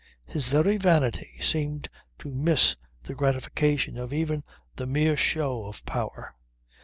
His very vanity seemed to miss the gratification of even the mere show of power.